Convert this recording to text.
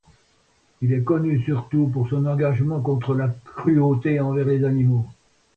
Il est connu surtout pour son engagement contre la cruauté envers les animaux.